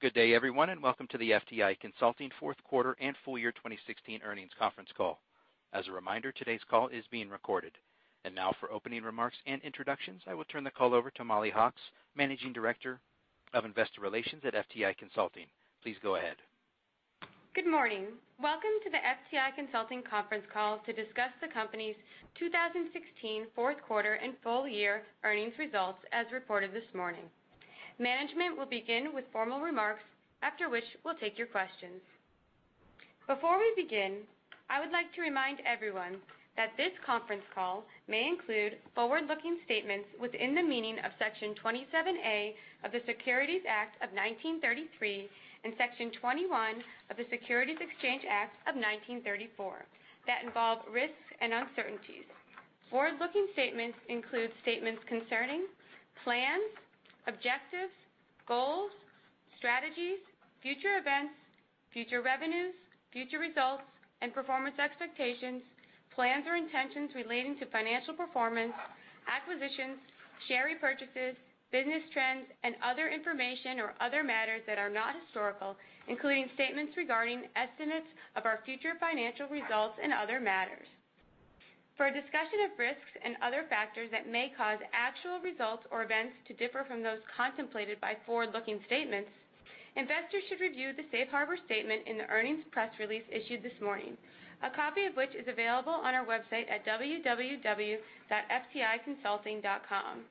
Good day, everyone, and welcome to the FTI Consulting fourth quarter and full year 2016 earnings conference call. As a reminder, today's call is being recorded. Now for opening remarks and introductions, I will turn the call over to Mollie Hawkes, Managing Director of Investor Relations at FTI Consulting. Please go ahead. Good morning. Welcome to the FTI Consulting conference call to discuss the company's 2016 fourth quarter and full-year earnings results as reported this morning. Management will begin with formal remarks, after which we'll take your questions. Before we begin, I would like to remind everyone that this conference call may include forward-looking statements within the meaning of Section 27A of the Securities Act of 1933 and Section 21 of the Securities Exchange Act of 1934 that involve risks and uncertainties. Forward-looking statements include statements concerning plans, objectives, goals, strategies, future events, future revenues, future results, and performance expectations, plans or intentions relating to financial performance, acquisitions, share repurchases, business trends, and other information or other matters that are not historical, including statements regarding estimates of our future financial results and other matters. For a discussion of risks and other factors that may cause actual results or events to differ from those contemplated by forward-looking statements, investors should review the safe harbor statement in the earnings press release issued this morning, a copy of which is available on our website at www.fticonsulting.com,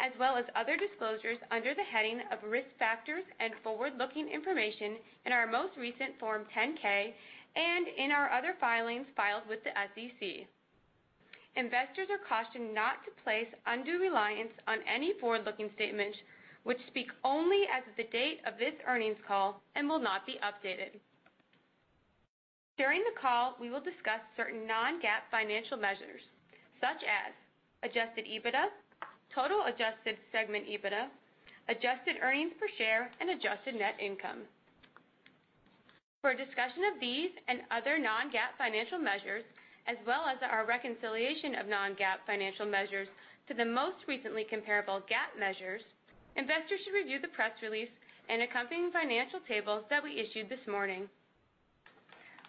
as well as other disclosures under the heading of Risk Factors & Forward-Looking Information in our most recent Form 10-K and in our other filings filed with the SEC. Investors are cautioned not to place undue reliance on any forward-looking statements which speak only as of the date of this earnings call and will not be updated. During the call, we will discuss certain non-GAAP financial measures, such as Adjusted EBITDA, total adjusted segment EBITDA, adjusted earnings per share, and adjusted net income. For a discussion of these and other non-GAAP financial measures, as well as our reconciliation of non-GAAP financial measures to the most recently comparable GAAP measures, investors should review the press release and accompanying financial tables that we issued this morning.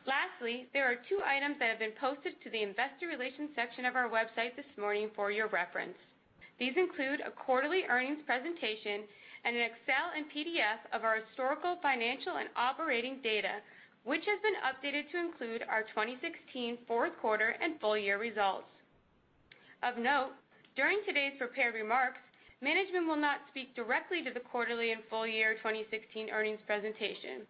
Lastly, there are two items that have been posted to the investor relations section of our website this morning for your reference. These include a quarterly earnings presentation and an Excel and PDF of our historical financial and operating data, which has been updated to include our 2016 fourth quarter and full-year results. Of note, during today's prepared remarks, management will not speak directly to the quarterly and full-year 2016 earnings presentation.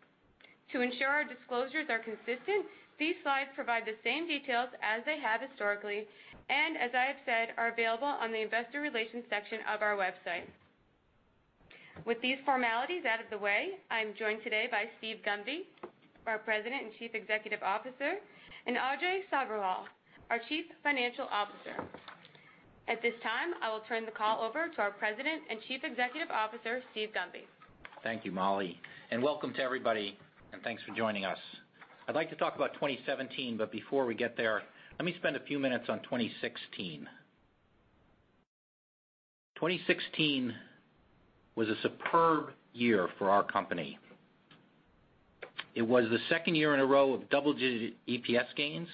To ensure our disclosures are consistent, these slides provide the same details as they have historically, and as I have said, are available on the investor relations section of our website. With these formalities out of the way, I am joined today by Steve Gunby, our President and Chief Executive Officer, and Ajay Sabherwal, our Chief Financial Officer. At this time, I will turn the call over to our President and Chief Executive Officer, Steve Gunby. Thank you, Mollie, and welcome to everybody, and thanks for joining us. I'd like to talk about 2017, but before we get there, let me spend a few minutes on 2016. 2016 was a superb year for our company. It was the second year in a row of double-digit EPS gains,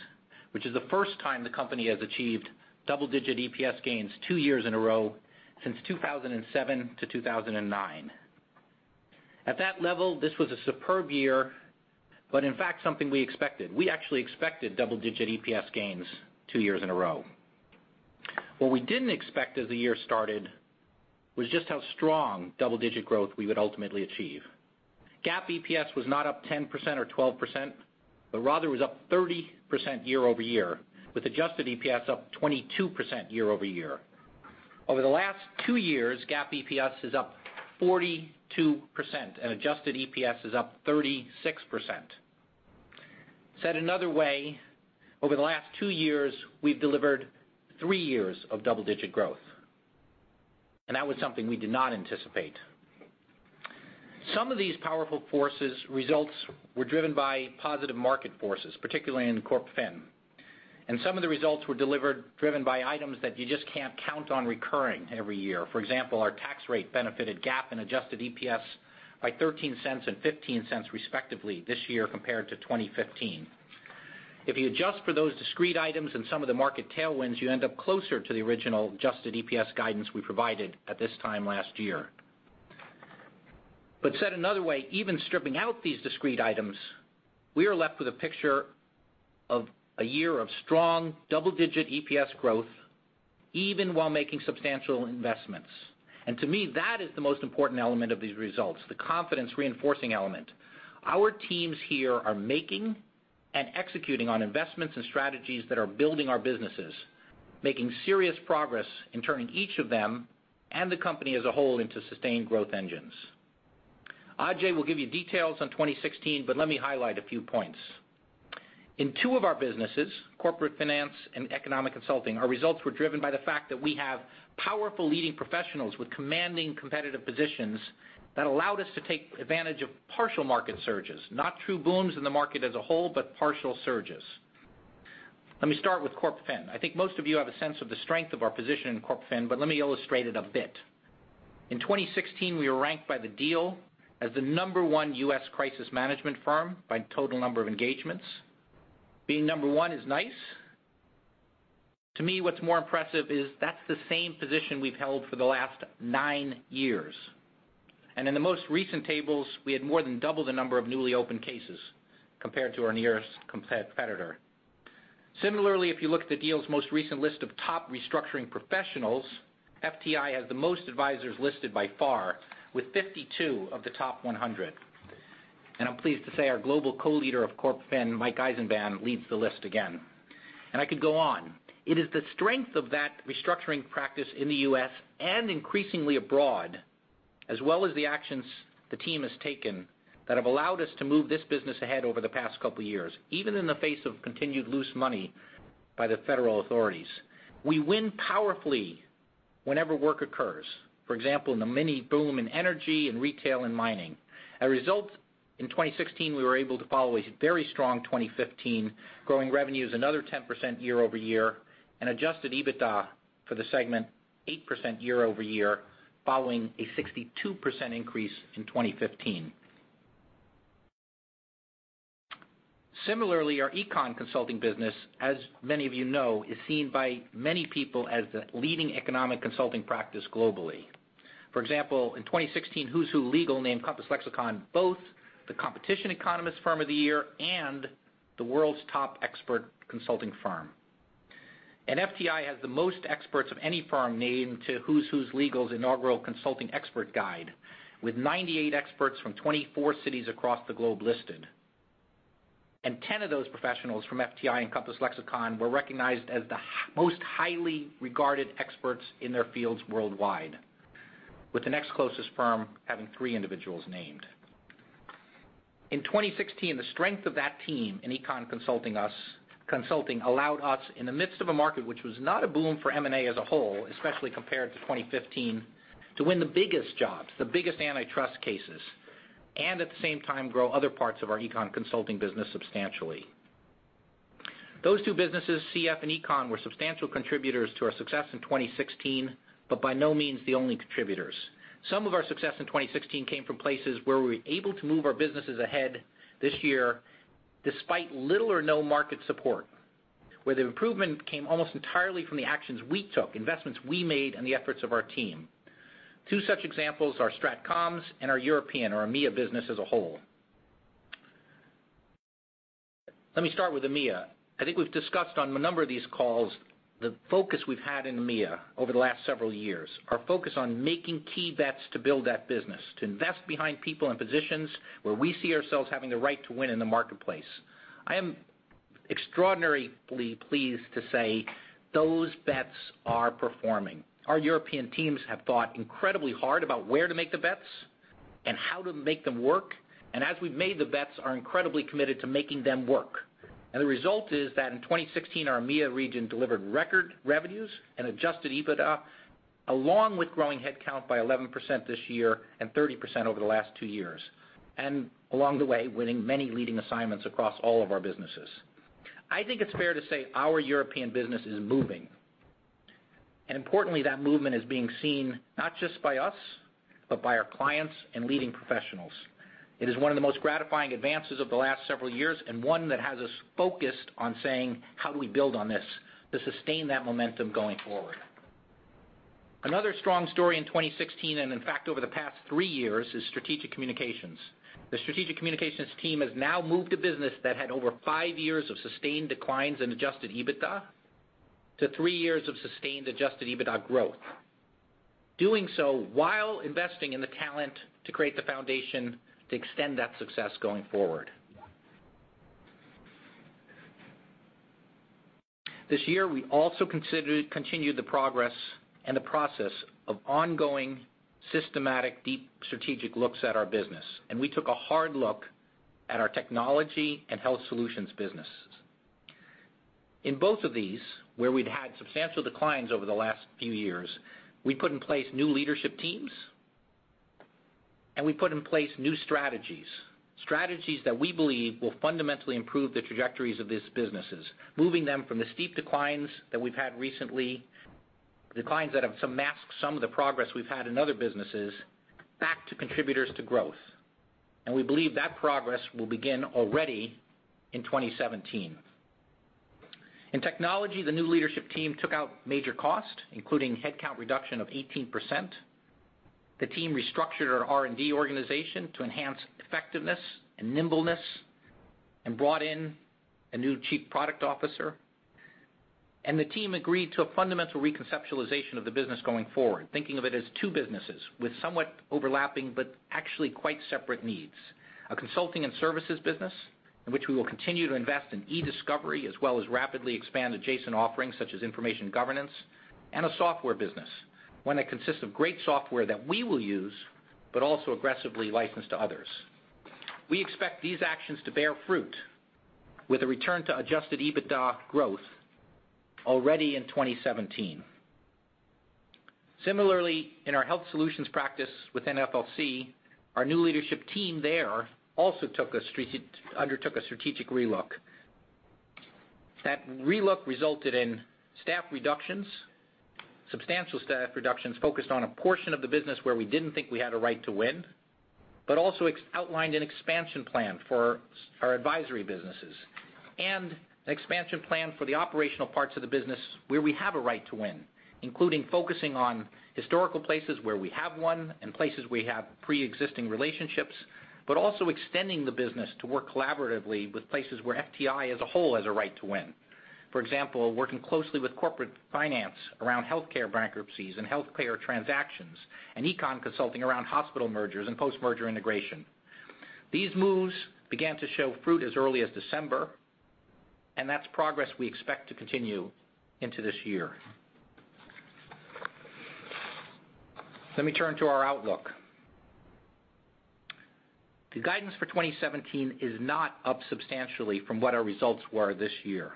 which is the first time the company has achieved double-digit EPS gains two years in a row since 2007-2009. At that level, this was a superb year, but in fact, something we expected. We actually expected double-digit EPS gains two years in a row. What we didn't expect as the year started was just how strong double-digit growth we would ultimately achieve. GAAP EPS was not up 10% or 12%, but rather was up 30% year-over-year, with Adjusted EPS up 22% year-over-year. Over the last two years, GAAP EPS is up 42%, and Adjusted EPS is up 36%. Said another way, over the last two years, we've delivered three years of double-digit growth, and that was something we did not anticipate. Some of these powerful forces results were driven by positive market forces, particularly in Corporate Finance, and some of the results were driven by items that you just can't count on recurring every year. For example, our tax rate benefited GAAP and Adjusted EPS by $0.13 and $0.15 respectively this year compared to 2015. If you adjust for those discrete items and some of the market tailwinds, you end up closer to the original Adjusted EPS guidance we provided at this time last year. Said another way, even stripping out these discrete items, we are left with a picture of a year of strong double-digit EPS growth, even while making substantial investments. And to me, that is the most important element of these results, the confidence-reinforcing element. Our teams here are making and executing on investments and strategies that are building our businesses, making serious progress in turning each of them and the company as a whole into sustained growth engines. Ajay will give you details on 2016, but let me highlight a few points. In two of our businesses, Corporate Finance and Economic Consulting, our results were driven by the fact that we have powerful leading professionals with commanding competitive positions that allowed us to take advantage of partial market surges, not true booms in the market as a whole, but partial surges. Let me start with Corporate Finance. I think most of you have a sense of the strength of our position in CorpFin, but let me illustrate it a bit. In 2016, we were ranked by "The Deal" as the number one U.S. crisis management firm by total number of engagements. Being number one is nice. To me, what's more impressive is that's the same position we've held for the last nine years. In the most recent tables, we had more than double the number of newly opened cases compared to our nearest competitor. Similarly, if you look at The Deal's most recent list of top restructuring professionals, FTI has the most advisors listed by far with 52 of the top 100. I'm pleased to say our global co-leader of CorpFin, Mike Eisenband, leads the list again. I could go on. It is the strength of that restructuring practice in the U.S. and increasingly abroad, as well as the actions the team has taken that have allowed us to move this business ahead over the past couple of years, even in the face of continued loose money by the federal authorities. We win powerfully whenever work occurs, for example, in the mini boom in energy and retail and mining. As a result, in 2016, we were able to follow a very strong 2015, growing revenues another 10% year-over-year and Adjusted EBITDA for the segment 8% year-over-year following a 62% increase in 2015. Similarly, our Econ consulting business, as many of you know, is seen by many people as the leading economic consulting practice globally. For example, in 2016, Who's Who Legal named Compass Lexecon both the Competition Economist Firm of the Year and the world's top expert consulting firm. FTI has the most experts of any firm named to Who's Who Legal's inaugural consulting expert guide, with 98 experts from 24 cities across the globe listed. 10 of those professionals from FTI and Compass Lexecon were recognized as the most highly regarded experts in their fields worldwide, with the next closest firm having three individuals named. In 2016, the strength of that team in Econ consulting allowed us, in the midst of a market which was not a boom for M&A as a whole, especially compared to 2015, to win the biggest jobs, the biggest antitrust cases, and at the same time grow other parts of our Econ consulting business substantially. Those two businesses, CF and Econ, were substantial contributors to our success in 2016, but by no means the only contributors. Some of our success in 2016 came from places where we were able to move our businesses ahead this year despite little or no market support, where the improvement came almost entirely from the actions we took, investments we made, and the efforts of our team. Two such examples are StratComs and our European or EMEA business as a whole. Let me start with EMEA. I think we've discussed on a number of these calls the focus we've had in EMEA over the last several years. Our focus on making key bets to build that business, to invest behind people in positions where we see ourselves having the right to win in the marketplace. I am extraordinarily pleased to say those bets are performing. Our European teams have thought incredibly hard about where to make the bets and how to make them work, as we've made the bets are incredibly committed to making them work. The result is that in 2016, our EMEA region delivered record revenues and Adjusted EBITDA, along with growing headcount by 11% this year and 30% over the last two years. Along the way, winning many leading assignments across all of our businesses. I think it's fair to say our European business is moving. Importantly, that movement is being seen not just by us, but by our clients and leading professionals. It is one of the most gratifying advances of the last several years and one that has us focused on saying, "How do we build on this to sustain that momentum going forward?" Another strong story in 2016, in fact, over the past three years, is Strategic Communications. The Strategic Communications team has now moved a business that had over five years of sustained declines in Adjusted EBITDA to three years of sustained Adjusted EBITDA growth. Doing so while investing in the talent to create the foundation to extend that success going forward. This year, we also continued the progress and the process of ongoing, systematic, deep strategic looks at our business, we took a hard look at our Technology and Health Solutions businesses. In both of these, where we'd had substantial declines over the last few years, we put in place new leadership teams, we put in place new strategies. Strategies that we believe will fundamentally improve the trajectories of these businesses, moving them from the steep declines that we've had recently, declines that have masked some of the progress we've had in other businesses, back to contributors to growth. We believe that progress will begin already in 2017. In Technology, the new leadership team took out major cost, including headcount reduction of 18%. The team restructured our R&D organization to enhance effectiveness and nimbleness and brought in a new chief product officer. The team agreed to a fundamental reconceptualization of the business going forward, thinking of it as two businesses with somewhat overlapping but actually quite separate needs. A consulting and services business in which we will continue to invest in e-discovery, as well as rapidly expand adjacent offerings such as Information Governance and a software business, one that consists of great software that we will use but also aggressively license to others. We expect these actions to bear fruit with a return to Adjusted EBITDA growth already in 2017. Similarly, in our Health Solutions practice within FLC, our new leadership team there also undertook a strategic relook. That relook resulted in staff reductions, substantial staff reductions focused on a portion of the business where we didn't think we had a right to win, but also outlined an expansion plan for our advisory businesses and an expansion plan for the operational parts of the business where we have a right to win, including focusing on historical places where we have one and places we have preexisting relationships, but also extending the business to work collaboratively with places where FTI as a whole has a right to win. For example, working closely with Corporate Finance around healthcare bankruptcies and healthcare transactions, and Economic Consulting around hospital mergers and post-merger integration. These moves began to show fruit as early as December, that's progress we expect to continue into this year. Let me turn to our outlook. The guidance for 2017 is not up substantially from what our results were this year.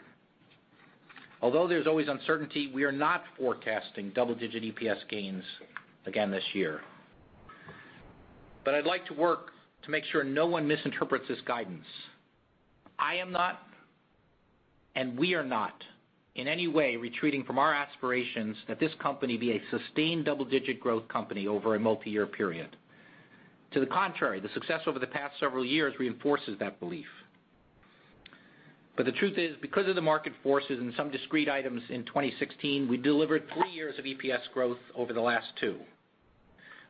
Although there's always uncertainty, we are not forecasting double-digit EPS gains again this year. I'd like to work to make sure no one misinterprets this guidance. I am not, and we are not in any way retreating from our aspirations that this company be a sustained double-digit growth company over a multi-year period. To the contrary, the success over the past several years reinforces that belief. The truth is, because of the market forces and some discrete items in 2016, we delivered 3 years of EPS growth over the last two.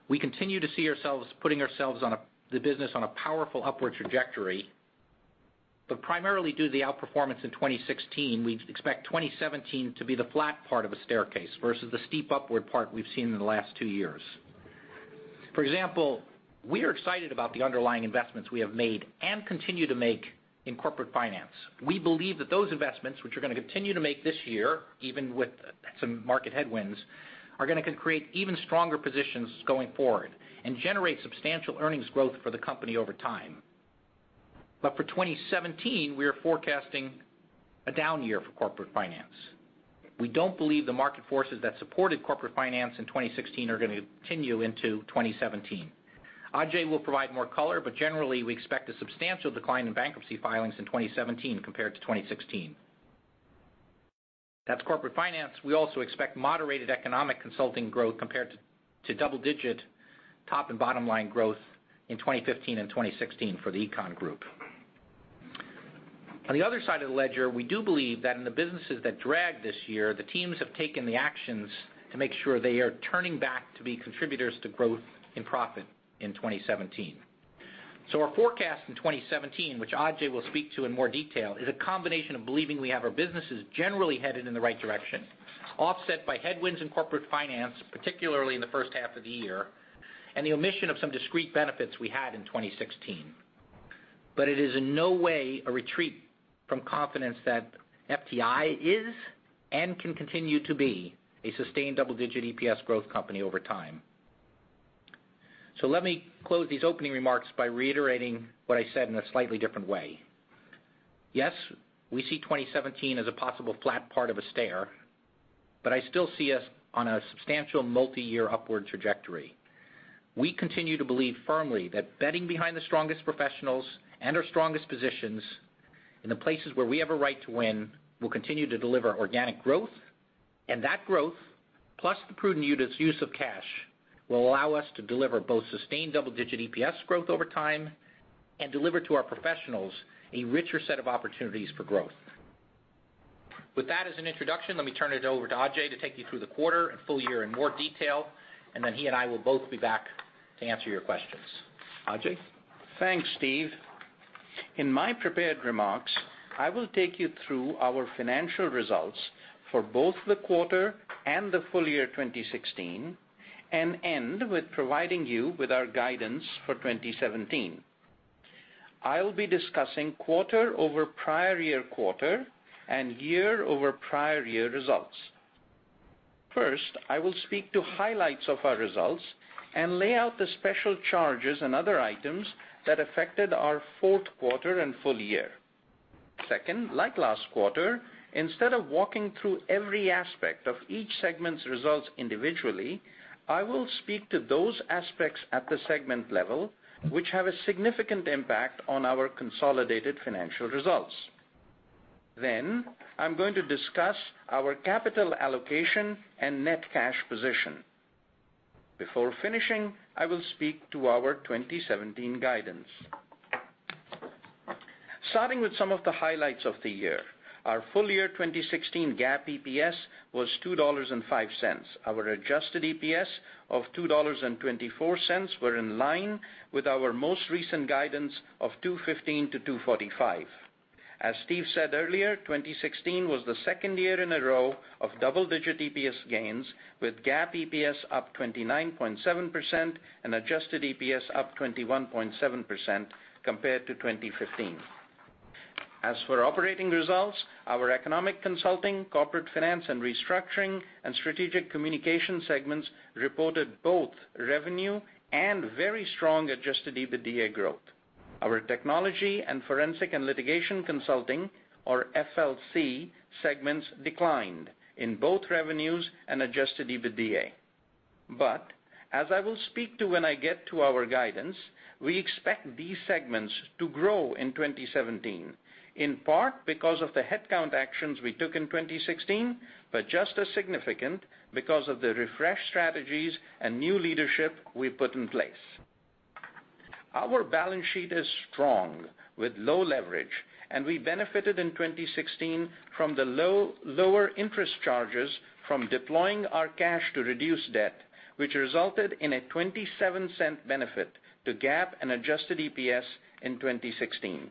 We continue to see ourselves putting the business on a powerful upward trajectory, but primarily due to the outperformance in 2016, we expect 2017 to be the flat part of a staircase versus the steep upward part we've seen in the last two years. For example, we are excited about the underlying investments we have made and continue to make in Corporate Finance. We believe that those investments, which we're going to continue to make this year, even with some market headwinds, are going to create even stronger positions going forward and generate substantial earnings growth for the company over time. For 2017, we are forecasting a down year for Corporate Finance. We don't believe the market forces that supported Corporate Finance in 2016 are going to continue into 2017. Ajay will provide more color, generally, we expect a substantial decline in bankruptcy filings in 2017 compared to 2016. That's Corporate Finance. We also expect moderated Economic Consulting growth compared to double-digit top and bottom-line growth in 2015 and 2016 for the econ group. On the other side of the ledger, we do believe that in the businesses that dragged this year, the teams have taken the actions to make sure they are turning back to be contributors to growth in profit in 2017. Our forecast in 2017, which Ajay will speak to in more detail, is a combination of believing we have our businesses generally headed in the right direction, offset by headwinds in Corporate Finance, particularly in the first half of the year, and the omission of some discrete benefits we had in 2016. It is in no way a retreat from confidence that FTI is and can continue to be a sustained double-digit EPS growth company over time. Let me close these opening remarks by reiterating what I said in a slightly different way. Yes, we see 2017 as a possible flat part of a stair, but I still see us on a substantial multi-year upward trajectory. We continue to believe firmly that betting behind the strongest professionals and our strongest positions in the places where we have a right to win will continue to deliver organic growth. That growth, plus the prudent use of cash, will allow us to deliver both sustained double-digit EPS growth over time and deliver to our professionals a richer set of opportunities for growth. With that as an introduction, let me turn it over to Ajay to take you through the quarter and full year in more detail, he and I will both be back to answer your questions. Ajay? Thanks, Steve. In my prepared remarks, I will take you through our financial results for both the quarter and the full year 2016 and end with providing you with our guidance for 2017. I'll be discussing quarter over prior year quarter and year over prior year results. First, I will speak to highlights of our results and lay out the special charges and other items that affected our fourth quarter and full year. Second, like last quarter, instead of walking through every aspect of each segment's results individually, I will speak to those aspects at the segment level which have a significant impact on our consolidated financial results. I'm going to discuss our capital allocation and net cash position. Before finishing, I will speak to our 2017 guidance. Starting with some of the highlights of the year. Our full year 2016 GAAP EPS was $2.05. Our Adjusted EPS of $2.24 were in line with our most recent guidance of $2.15-$2.45. As Steve said earlier, 2016 was the second year in a row of double-digit EPS gains with GAAP EPS up 29.7% and Adjusted EPS up 21.7% compared to 2015. As for operating results, our Economic Consulting, Corporate Finance & Restructuring, and Strategic Communications segments reported both revenue and very strong Adjusted EBITDA growth. Our Technology and Forensic and Litigation Consulting, or FLC segments, declined in both revenues and Adjusted EBITDA. As I will speak to when I get to our guidance, we expect these segments to grow in 2017, in part because of the headcount actions we took in 2016, but just as significant because of the refreshed strategies and new leadership we put in place. Our balance sheet is strong with low leverage, and we benefited in 2016 from the lower interest charges from deploying our cash to reduce debt, which resulted in a $0.27 benefit to GAAP and Adjusted EPS in 2016.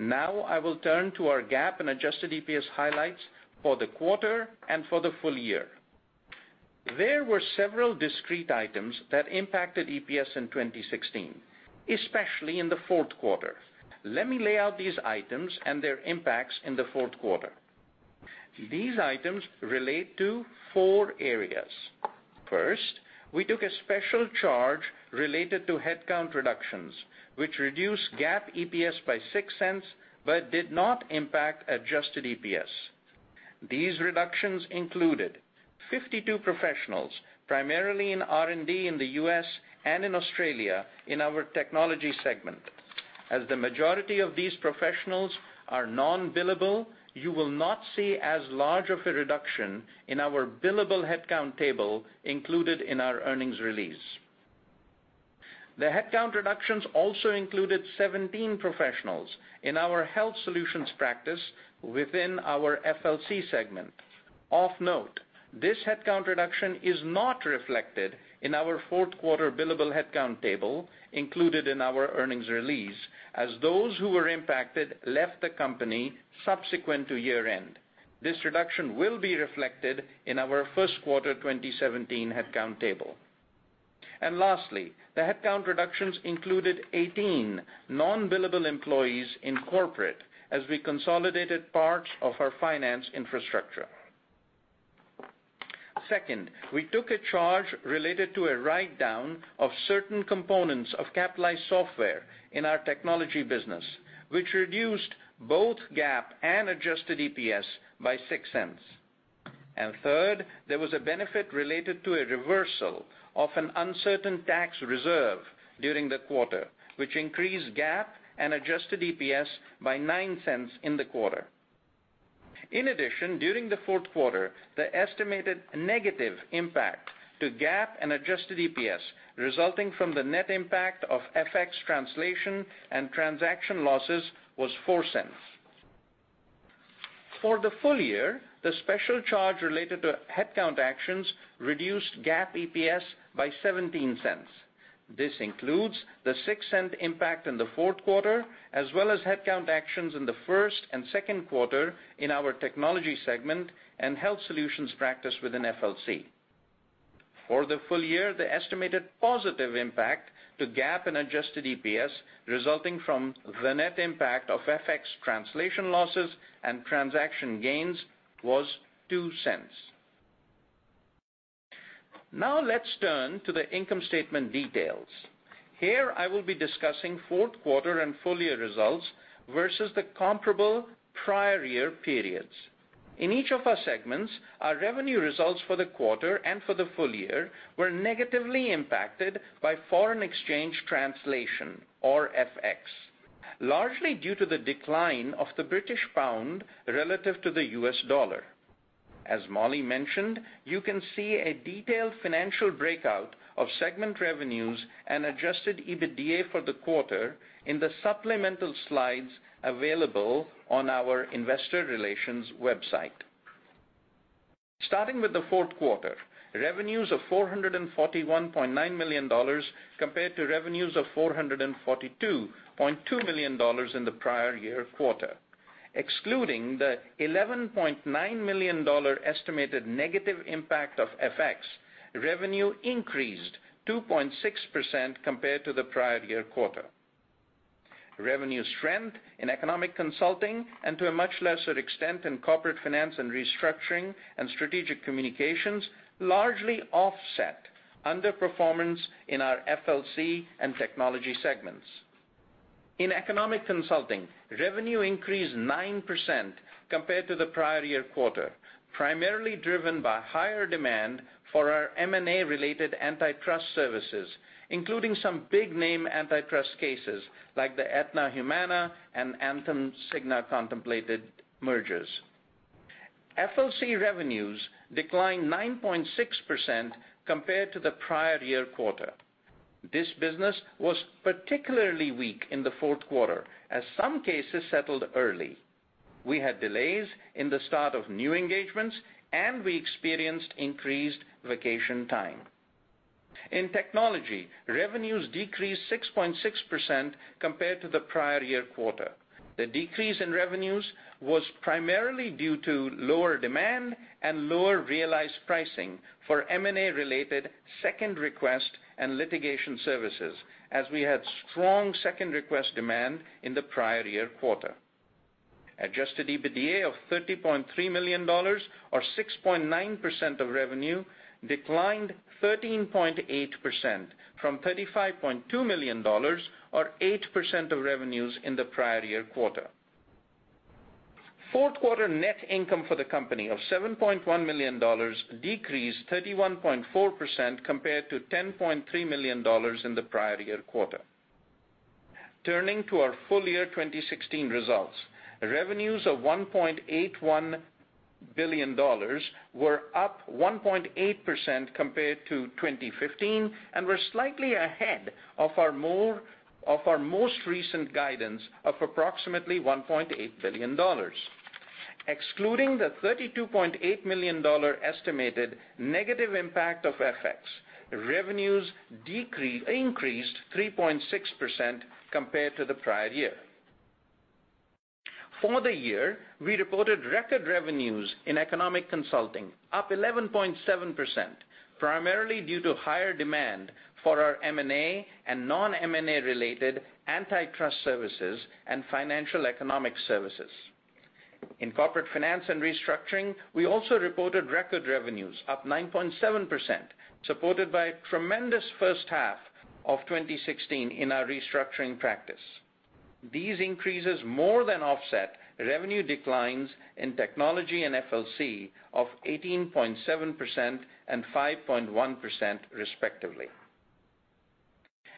I will turn to our GAAP and Adjusted EPS highlights for the quarter and for the full year. There were several discrete items that impacted EPS in 2016, especially in the fourth quarter. Let me lay out these items and their impacts in the fourth quarter. These items relate to four areas. First, we took a special charge related to headcount reductions, which reduced GAAP EPS by $0.06 but did not impact Adjusted EPS. These reductions included 52 professionals, primarily in R&D in the U.S. and in Australia in our Technology segment. As the majority of these professionals are non-billable, you will not see as large of a reduction in our billable headcount table included in our earnings release. The headcount reductions also included 17 professionals in our Health Solutions practice within our FLC segment. Of note, this headcount reduction is not reflected in our fourth quarter billable headcount table included in our earnings release, as those who were impacted left the company subsequent to year-end. This reduction will be reflected in our first quarter 2017 headcount table. Lastly, the headcount reductions included 18 non-billable employees in corporate as we consolidated parts of our finance infrastructure. Second, we took a charge related to a write-down of certain components of capitalized software in our Technology business, which reduced both GAAP and Adjusted EPS by $0.06. Third, there was a benefit related to a reversal of an uncertain tax reserve during the quarter, which increased GAAP and Adjusted EPS by $0.09 in the quarter. In addition, during the fourth quarter, the estimated negative impact to GAAP and Adjusted EPS resulting from the net impact of FX translation and transaction losses was $0.04. For the full year, the special charge related to headcount actions reduced GAAP EPS by $0.17. This includes the $0.06 impact in the fourth quarter, as well as headcount actions in the first and second quarter in our Technology segment and Health Solutions practice within FLC. For the full year, the estimated positive impact to GAAP and Adjusted EPS resulting from the net impact of FX translation losses and transaction gains was $0.02. Now let's turn to the income statement details. Here, I will be discussing fourth quarter and full-year results versus the comparable prior year periods. In each of our segments, our revenue results for the quarter and for the full year were negatively impacted by foreign exchange translation, or FX, largely due to the decline of the British pound relative to the U.S. dollar. As Mollie mentioned, you can see a detailed financial breakout of segment revenues and Adjusted EBITDA for the quarter in the supplemental slides available on our investor relations website. Starting with the fourth quarter, revenues of $441.9 million compared to revenues of $442.2 million in the prior year quarter. Excluding the $11.9 million estimated negative impact of FX, revenue increased 2.6% compared to the prior year quarter. Revenue strength in Economic Consulting, and to a much lesser extent in Corporate Finance & Restructuring and Strategic Communications, largely offset underperformance in our FLC and Technology segments. In Economic Consulting, revenue increased 9% compared to the prior year quarter, primarily driven by higher demand for our M&A related antitrust services, including some big-name antitrust cases like the Aetna-Humana and Anthem-Cigna contemplated mergers. FLC revenues declined 9.6% compared to the prior year quarter. This business was particularly weak in the fourth quarter, as some cases settled early. We had delays in the start of new engagements, we experienced increased vacation time. In Technology, revenues decreased 6.6% compared to the prior year quarter. The decrease in revenues was primarily due to lower demand and lower realized pricing for M&A-related second request and litigation services, as we had strong second request demand in the prior year quarter. Adjusted EBITDA of $30.3 million or 6.9% of revenue declined 13.8% from $35.2 million or 8% of revenues in the prior year quarter. Fourth quarter net income for the company of $7.1 million decreased 31.4% compared to $10.3 million in the prior year quarter. Turning to our full year 2016 results. Revenues of $1.81 billion were up 1.8% compared to 2015 and were slightly ahead of our most recent guidance of approximately $1.8 billion. Excluding the $32.8 million estimated negative impact of FX, revenues increased 3.6% compared to the prior year. For the year, we reported record revenues in Economic Consulting, up 11.7%, primarily due to higher demand for our M&A and non-M&A related antitrust services and financial economic services. In Corporate Finance & Restructuring, we also reported record revenues up 9.7%, supported by a tremendous first half of 2016 in our restructuring practice. These increases more than offset revenue declines in Technology and FLC of 18.7% and 5.1%, respectively.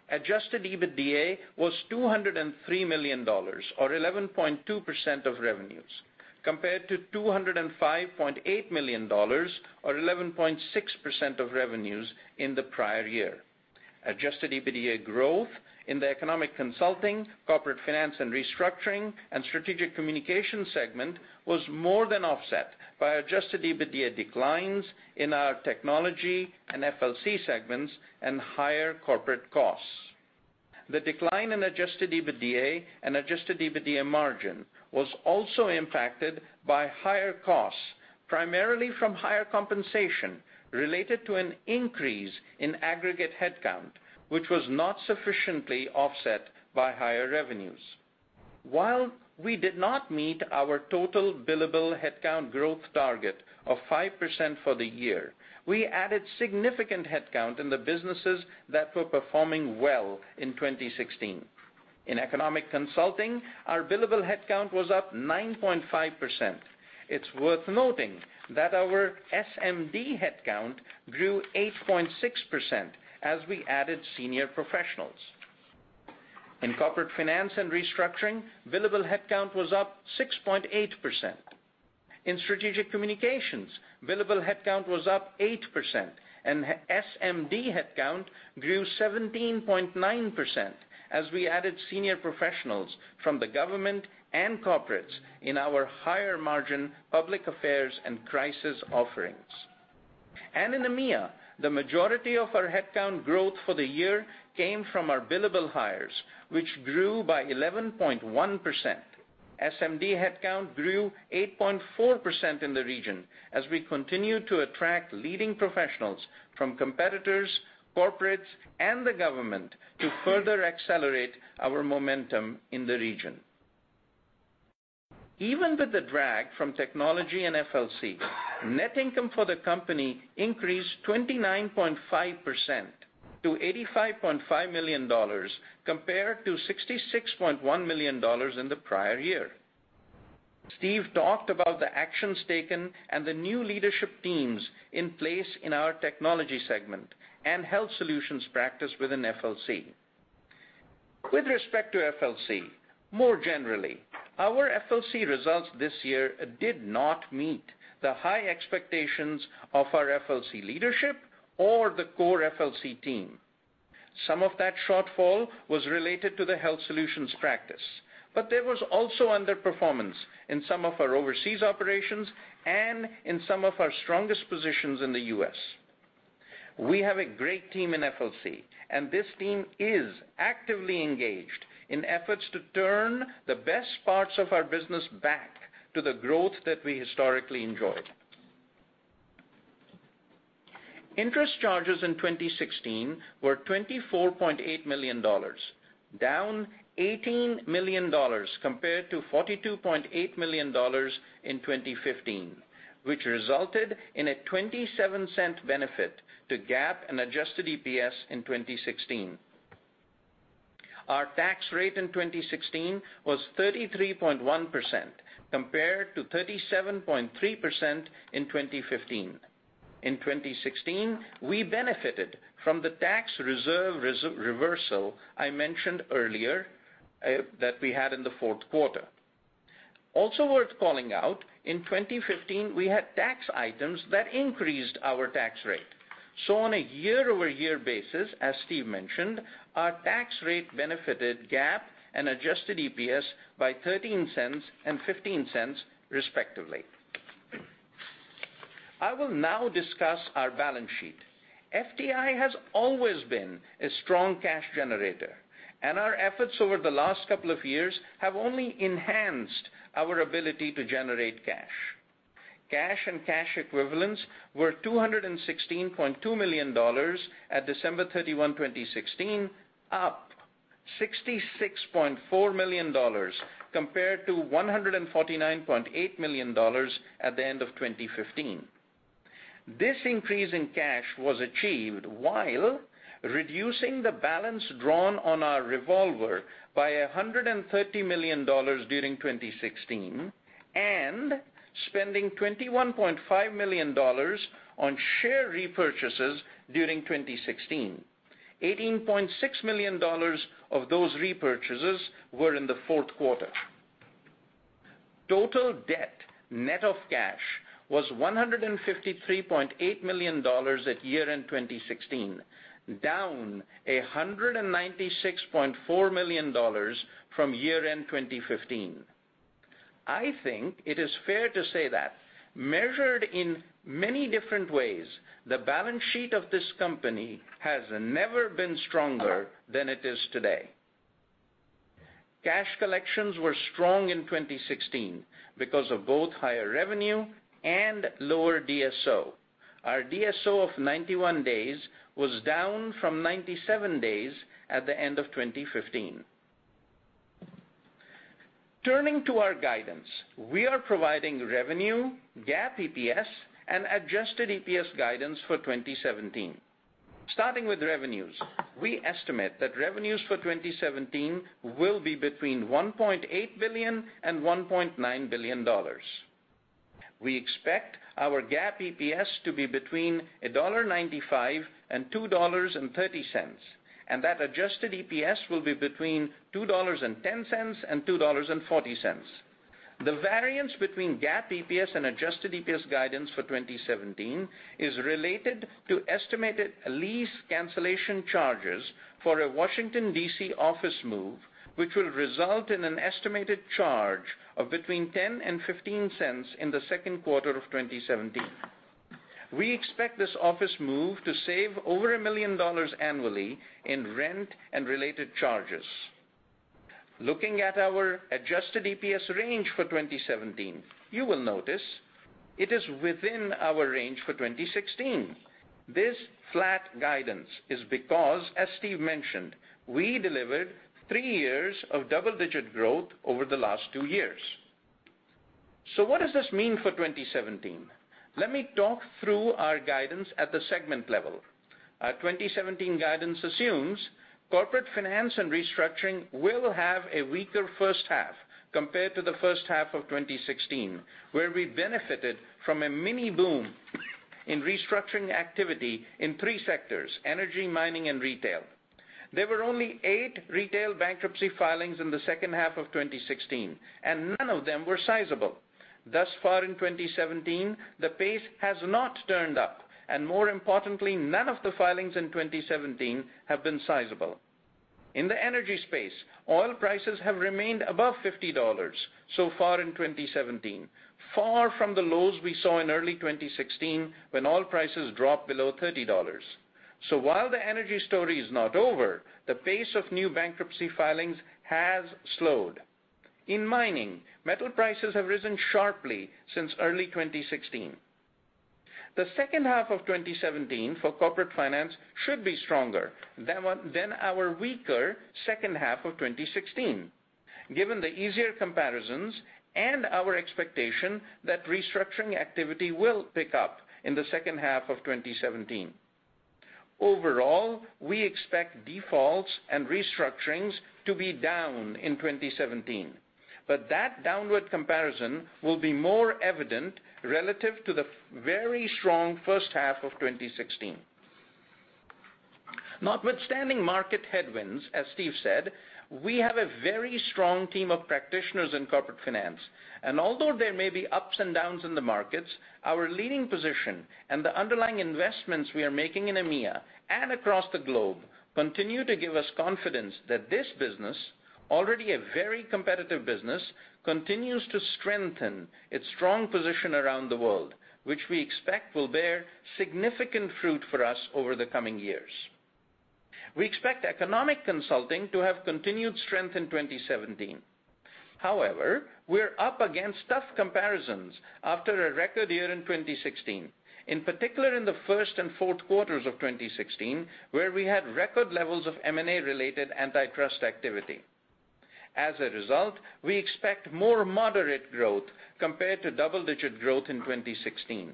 Adjusted EBITDA was $203 million or 11.2% of revenues, compared to $205.8 million or 11.6% of revenues in the prior year. Adjusted EBITDA growth in the Economic Consulting, Corporate Finance & Restructuring and Strategic Communications segment was more than offset by Adjusted EBITDA declines in our Technology and FLC segments and higher corporate costs. The decline in Adjusted EBITDA and Adjusted EBITDA margin was also impacted by higher costs, primarily from higher compensation related to an increase in aggregate headcount, which was not sufficiently offset by higher revenues. While we did not meet our total billable headcount growth target of 5% for the year, we added significant headcount in the businesses that were performing well in 2016. In Economic Consulting, our billable headcount was up 9.5%. It's worth noting that our SMD headcount grew 8.6% as we added senior professionals. In Corporate Finance & Restructuring, billable headcount was up 6.8%. In Strategic Communications, billable headcount was up 8% and SMD headcount grew 17.9% as we added senior professionals from the government and corporates in our higher margin public affairs and crisis offerings. In EMEA, the majority of our headcount growth for the year came from our billable hires, which grew by 11.1%. SMD headcount grew 8.4% in the region as we continued to attract leading professionals from competitors, corporates and the government to further accelerate our momentum in the region. Even with the drag from Technology and FLC, net income for the company increased 29.5% to $85.5 million compared to $66.1 million in the prior year. Steve talked about the actions taken and the new leadership teams in place in our Technology segment and Health Solutions practice within FLC. With respect to FLC, more generally, our FLC results this year did not meet the high expectations of our FLC leadership or the core FLC team. Some of that shortfall was related to the Health Solutions practice, but there was also underperformance in some of our overseas operations and in some of our strongest positions in the U.S. We have a great team in FLC and this team is actively engaged in efforts to turn the best parts of our business back to the growth that we historically enjoyed. Interest charges in 2016 were $24.8 million, down $18 million compared to $42.8 million in 2015, which resulted in a $0.27 benefit to GAAP and Adjusted EPS in 2016. Our tax rate in 2016 was 33.1% compared to 37.3% in 2015. In 2016, we benefited from the tax reserve reversal I mentioned earlier that we had in the fourth quarter. Also worth calling out, in 2015, we had tax items that increased our tax rate. On a year-over-year basis, as Steve mentioned, our tax rate benefited GAAP and Adjusted EPS by $0.13 and $0.15, respectively. I will now discuss our balance sheet. FTI has always been a strong cash generator and our efforts over the last couple of years have only enhanced our ability to generate cash. Cash and cash equivalents were $216.2 million at December 31, 2016, up $66.4 million compared to $149.8 million at the end of 2015. This increase in cash was achieved while reducing the balance drawn on our revolver by $130 million during 2016 and spending $21.5 million on share repurchases during 2016. $18.6 million of those repurchases were in the fourth quarter. Total debt, net of cash, was $153.8 million at year-end 2016, down $196.4 million from year-end 2015. I think it is fair to say that measured in many different ways, the balance sheet of this company has never been stronger than it is today. Cash collections were strong in 2016 because of both higher revenue and lower DSO. Our DSO of 91 days was down from 97 days at the end of 2015. Turning to our guidance, we are providing revenue, GAAP EPS, and Adjusted EPS guidance for 2017. Starting with revenues, we estimate that revenues for 2017 will be between $1.8 billion-$1.9 billion. We expect our GAAP EPS to be between $1.95-$2.30, and that Adjusted EPS will be between $2.10-$2.40. The variance between GAAP EPS and Adjusted EPS guidance for 2017 is related to estimated lease cancellation charges for a Washington, D.C. office move, which will result in an estimated charge of between $0.10-$0.15 in the second quarter of 2017. We expect this office move to save over a million dollars annually in rent and related charges. Looking at our Adjusted EPS range for 2017, you will notice it is within our range for 2016. This flat guidance is because, as Steve mentioned, we delivered three years of double-digit growth over the last two years. What does this mean for 2017? Let me talk through our guidance at the segment level. Our 2017 guidance assumes Corporate Finance & Restructuring will have a weaker first half compared to the first half of 2016, where we benefited from a mini boom in restructuring activity in three sectors, energy, mining, and retail. There were only eight retail bankruptcy filings in the second half of 2016, and none of them were sizable. Thus far in 2017, the pace has not turned up, and more importantly, none of the filings in 2017 have been sizable. In the energy space, oil prices have remained above $50 so far in 2017, far from the lows we saw in early 2016 when oil prices dropped below $30. While the energy story is not over, the pace of new bankruptcy filings has slowed. In mining, metal prices have risen sharply since early 2016. The second half of 2017 for Corporate Finance should be stronger than our weaker second half of 2016, given the easier comparisons and our expectation that restructuring activity will pick up in the second half of 2017. Overall, we expect defaults and restructurings to be down in 2017, but that downward comparison will be more evident relative to the very strong first half of 2016. Notwithstanding market headwinds, as Steve said, we have a very strong team of practitioners in Corporate Finance, although there may be ups and downs in the markets, our leading position and the underlying investments we are making in EMEA and across the globe continue to give us confidence that this business, already a very competitive business, continues to strengthen its strong position around the world, which we expect will bear significant fruit for us over the coming years. We expect Economic Consulting to have continued strength in 2017. However, we're up against tough comparisons after a record year in 2016. In particular, in the first and fourth quarters of 2016, where we had record levels of M&A-related antitrust activity. As a result, we expect more moderate growth compared to double-digit growth in 2016.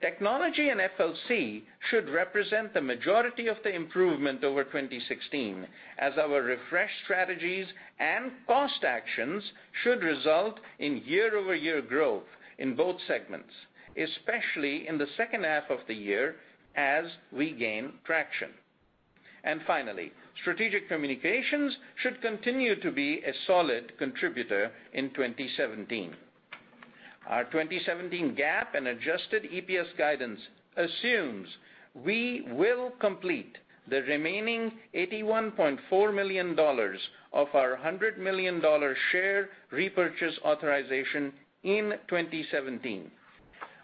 Technology and FLC should represent the majority of the improvement over 2016 as our refreshed strategies and cost actions should result in year-over-year growth in both segments, especially in the second half of the year as we gain traction. Finally, Strategic Communications should continue to be a solid contributor in 2017. Our 2017 GAAP and Adjusted EPS guidance assumes we will complete the remaining $81.4 million of our $100 million share repurchase authorization in 2017.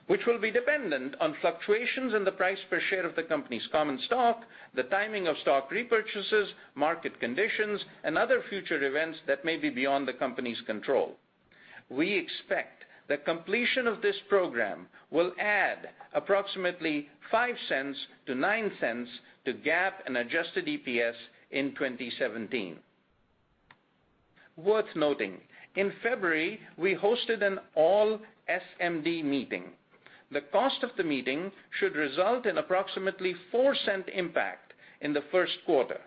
Which will be dependent on fluctuations in the price per share of the company's common stock, the timing of stock repurchases, market conditions, and other future events that may be beyond the company's control. We expect the completion of this program will add approximately $0.05 to $0.09 to GAAP and Adjusted EPS in 2017. Worth noting, in February, we hosted an all SMD meeting. The cost of the meeting should result in approximately $0.04 impact in the first quarter.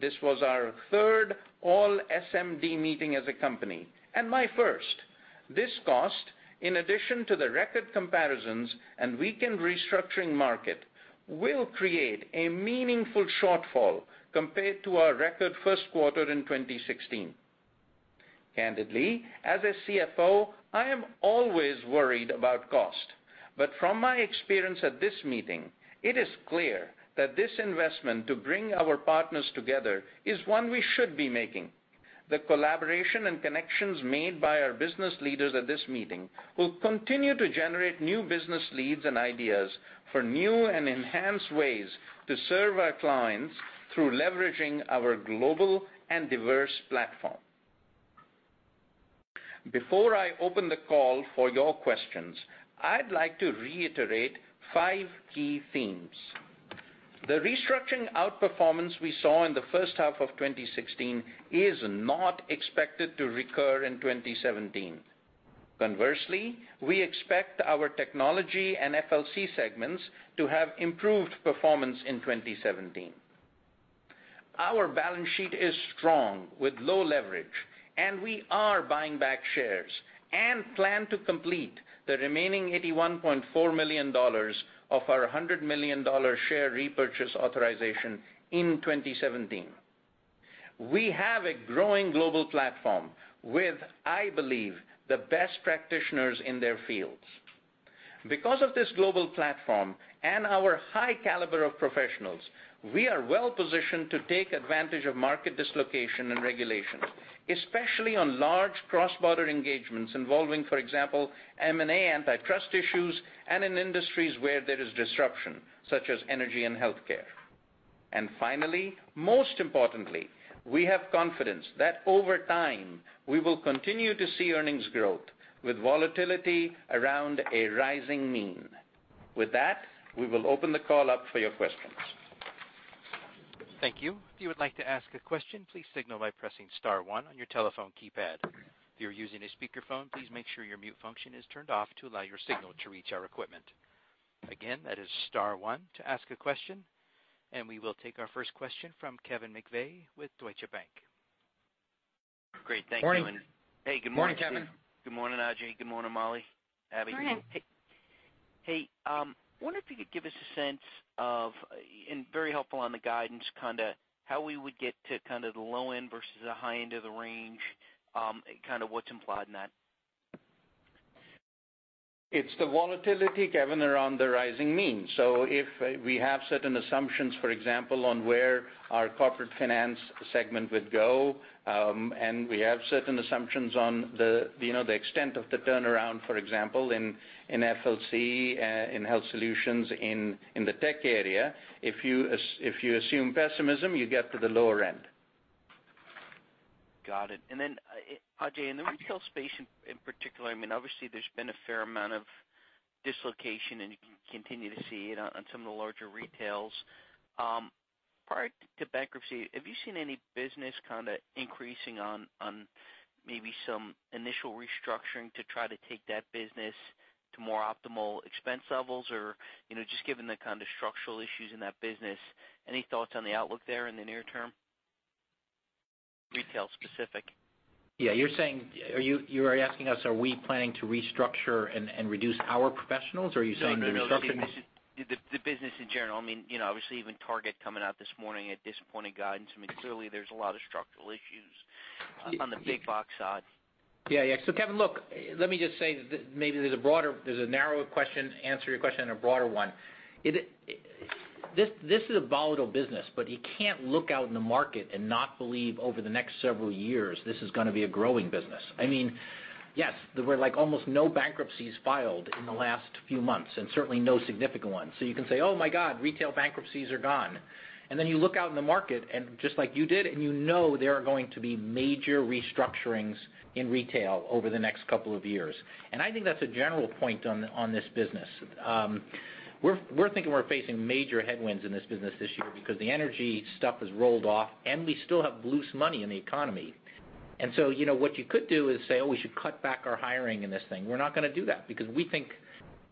This was our third all SMD meeting as a company, and my first. This cost, in addition to the record comparisons and weakened restructuring market, will create a meaningful shortfall compared to our record first quarter in 2016. Candidly, as a CFO, I am always worried about cost. From my experience at this meeting, it is clear that this investment to bring our partners together is one we should be making. The collaboration and connections made by our business leaders at this meeting will continue to generate new business leads and ideas for new and enhanced ways to serve our clients through leveraging our global and diverse platform. Before I open the call for your questions, I'd like to reiterate five key themes. The restructuring outperformance we saw in the first half of 2016 is not expected to recur in 2017. Conversely, we expect our Technology and FLC segments to have improved performance in 2017. Our balance sheet is strong with low leverage, and we are buying back shares and plan to complete the remaining $81.4 million of our $100 million share repurchase authorization in 2017. We have a growing global platform with, I believe, the best practitioners in their fields. Because of this global platform and our high caliber of professionals, we are well-positioned to take advantage of market dislocation and regulation, especially on large cross-border engagements involving, for example, M&A antitrust issues and in industries where there is disruption, such as energy and healthcare. Finally, most importantly, we have confidence that over time we will continue to see earnings growth with volatility around a rising mean. With that, we will open the call up for your questions. Thank you. If you would like to ask a question, please signal by pressing *1 on your telephone keypad. If you're using a speakerphone, please make sure your mute function is turned off to allow your signal to reach our equipment. Again, that is *1 to ask a question. We will take our first question from Kevin McVeigh with Deutsche Bank. Great. Thank you. Morning. Hey, good morning. Morning, Kevin. Good morning, Ajay. Good morning, Mollie, Abby. Good morning. Hey, I wonder if you could give us a sense of, and very helpful on the guidance, how we would get to the low end versus the high end of the range, kind of what's implied in that. It's the volatility, Kevin, around the rising mean. If we have certain assumptions, for example, on where our Corporate Finance segment would go, we have certain assumptions on the extent of the turnaround, for example, in FLC, in Health Solutions, in the Tech area. If you assume pessimism, you get to the lower end. Got it. Then, Ajay, in the retail space in particular, obviously there's been a fair amount of dislocation, and you can continue to see it on some of the larger retails. Prior to bankruptcy, have you seen any business increasing on maybe some initial restructuring to try to take that business to more optimal expense levels? Just given the kind of structural issues in that business, any thoughts on the outlook there in the near term? Retail-specific. Yeah. You're asking us, are we planning to restructure and reduce our professionals, or are you saying the restructuring- No. The business in general. Obviously even Target coming out this morning at disappointing guidance. Clearly there's a lot of structural issues on the big box side. Yeah. Kevin, look, let me just say that maybe there's a narrow question, answer your question in a broader one. This is a volatile business, but you can't look out in the market and not believe over the next several years this is going to be a growing business. Yes, there were almost no bankruptcies filed in the last few months, and certainly no significant ones. You can say, "Oh my god, retail bankruptcies are gone." You look out in the market and just like you did, and you know there are going to be major restructurings in retail over the next couple of years. I think that's a general point on this business. We're thinking we're facing major headwinds in this business this year because the energy stuff has rolled off, and we still have loose money in the economy. What you could do is say, "Oh, we should cut back our hiring in this thing." We're not going to do that because we think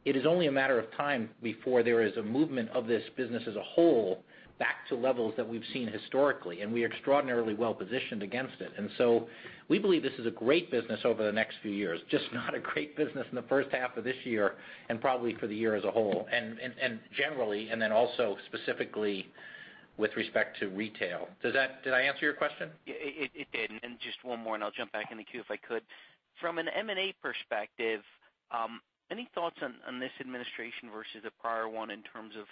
it is only a matter of time before there is a movement of this business as a whole back to levels that we've seen historically, and we are extraordinarily well-positioned against it. We believe this is a great business over the next few years, just not a great business in the first half of this year and probably for the year as a whole, and generally and then also specifically with respect to retail. Did I answer your question? It did. Just one more, and I'll jump back in the queue if I could. From an M&A perspective, any thoughts on this administration versus the prior one in terms of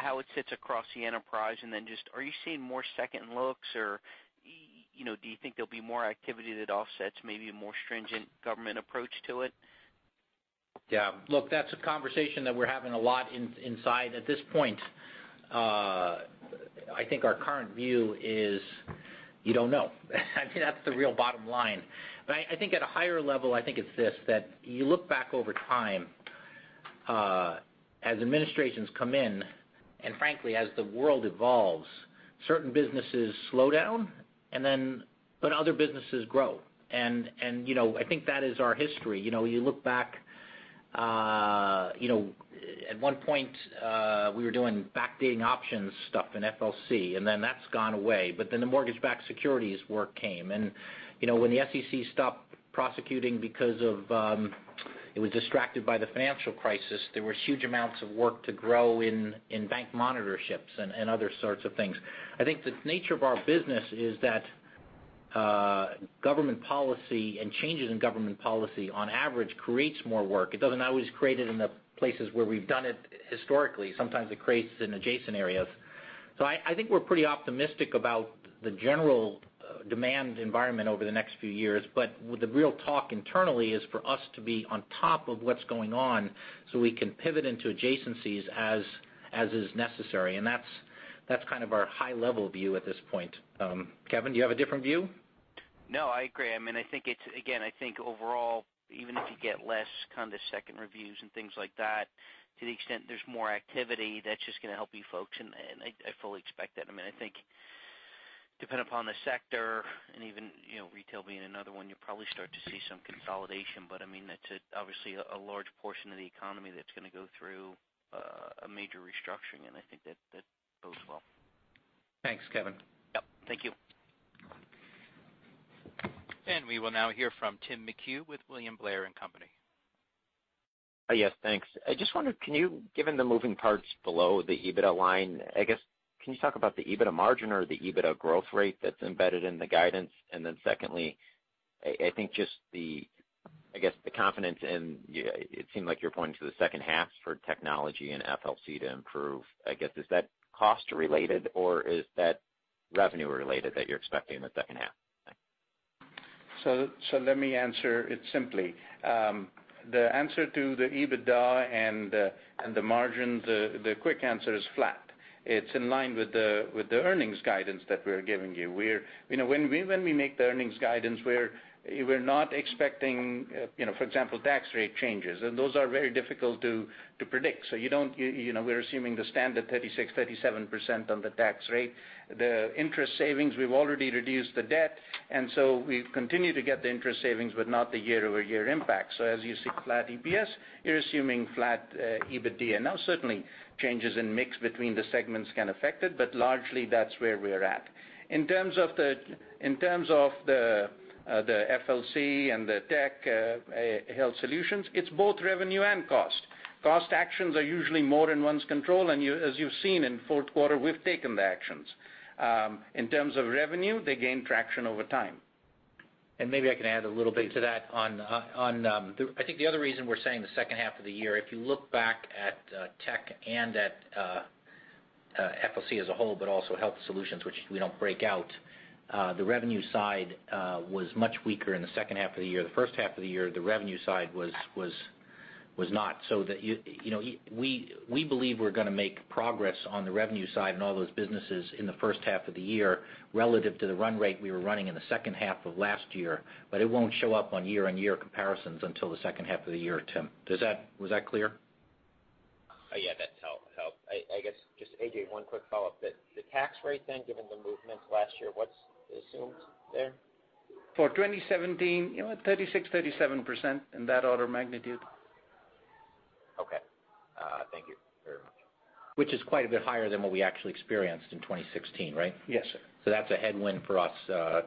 how it sits across the enterprise, and then just are you seeing more second looks, or do you think there'll be more activity that offsets maybe a more stringent government approach to it? Yeah. Look, that's a conversation that we're having a lot inside. At this point, I think our current view is you don't know. I mean, that's the real bottom line. I think at a higher level, I think it's this, that you look back over time, as administrations come in, and frankly, as the world evolves, certain businesses slow down, but other businesses grow. I think that is our history. You look back, at one point, we were doing backdating options stuff in FLC, and then that's gone away, but then the mortgage-backed securities work came. When the SEC stopped prosecuting because it was distracted by the financial crisis, there were huge amounts of work to grow in bank monitorships and other sorts of things. I think the nature of our business is that government policy and changes in government policy, on average, creates more work. It doesn't always create it in the places where we've done it historically. Sometimes it creates in adjacent areas. I think we're pretty optimistic about the general demand environment over the next few years. The real talk internally is for us to be on top of what's going on so we can pivot into adjacencies as is necessary, and that's our high-level view at this point. Kevin, do you have a different view? No, I agree. I think it's, again, I think overall, even if you get less second reviews and things like that, to the extent there's more activity, that's just going to help you folks, and I fully expect that. I think depending upon the sector and even retail being another one, you'll probably start to see some consolidation. That's obviously a large portion of the economy that's going to go through a major restructuring, and I think that bodes well. Thanks, Kevin. Yep. Thank you. We will now hear from Timothy McHugh with William Blair & Company. Yes, thanks. I just wonder, can you, given the moving parts below the EBITDA line, I guess, can you talk about the EBITDA margin or the EBITDA growth rate that's embedded in the guidance? Secondly, I think just the, I guess, the confidence in it seemed like you're pointing to the second half for Technology and FLC to improve. I guess, is that cost related or is that revenue related that you're expecting in the second half? Thanks. Let me answer it simply. The answer to the EBITDA and the margin, the quick answer is flat. It's in line with the earnings guidance that we're giving you. When we make the earnings guidance, we're not expecting, for example, tax rate changes, those are very difficult to predict. We're assuming the standard 36%, 37% on the tax rate. The interest savings, we've already reduced the debt, we continue to get the interest savings, not the year-over-year impact. As you see flat EPS, you're assuming flat EBITDA. Certainly, changes in mix between the segments can affect it, largely that's where we're at. In terms of the FLC and the Technology Health Solutions, it's both revenue and cost. Cost actions are usually more than one's control, as you've seen in fourth quarter, we've taken the actions. In terms of revenue, they gain traction over time. Maybe I can add a little bit to that. I think the other reason we're saying the second half of the year, if you look back at tech and at FLC as a whole, but also Health Solutions, which we don't break out, the revenue side was much weaker in the second half of the year. The first half of the year, the revenue side was not. We believe we're going to make progress on the revenue side and all those businesses in the first half of the year relative to the run rate we were running in the second half of last year, but it won't show up on year-on-year comparisons until the second half of the year, Tim. Was that clear? Yeah. That helps. I guess just, Ajay, one quick follow-up. The tax rate, given the movements last year, what's assumed there? For 2017, 36%, 37%, in that order of magnitude. Okay. Thank you very much. Which is quite a bit higher than what we actually experienced in 2016, right? Yes, sir. That's a headwind for us,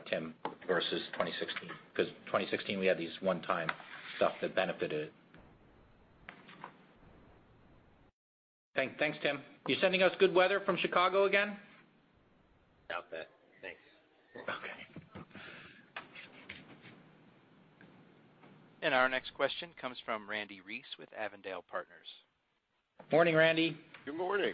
Tim, versus 2016, because 2016, we had these one-time stuff that benefited. Thanks, Tim. You sending us good weather from Chicago again? Copy that. Thanks. Okay. Our next question comes from Randle Reece with Avondale Partners. Morning, Randy. Good morning.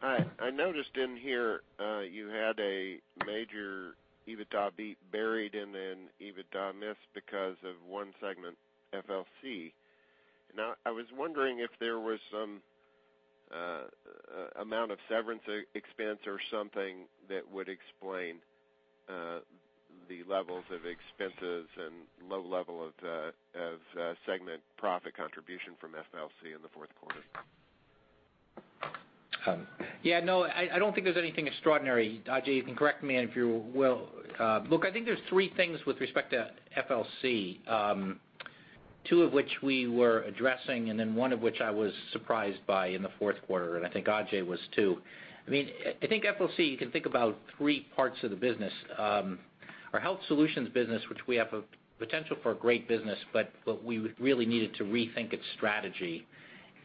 Hi. I noticed in here you had a major EBITDA beat buried in an EBITDA miss because of one segment, FLC. I was wondering if there was some amount of severance expense or something that would explain the levels of expenses and low level of segment profit contribution from FLC in the fourth quarter. Yeah. No, I don't think there's anything extraordinary. Ajay, you can correct me if you will. I think there's three things with respect to FLC, two of which we were addressing, and then one of which I was surprised by in the fourth quarter, and I think Ajay was, too. I think FLC, you can think about three parts of the business. Our Health Solutions business, which we have a potential for a great business, but we really needed to rethink its strategy.